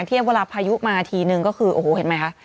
เทียบเวลาพายุมาทีนึงก็คือโอ้โหเห็นไหมคะ